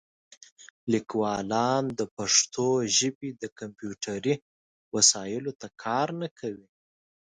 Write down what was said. لیکوالان د پښتو ژبې د کمپیوټري وسایلو ته کار نه کوي.